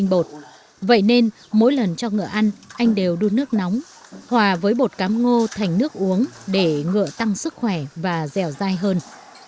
bột vậy nên mỗi lần cho ngựa ăn anh đều đun nước nóng hòa với bột cám ngô thành nước uống để ngựa tăng sức khỏe và dẻo dai hơn